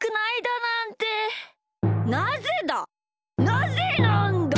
なぜだ！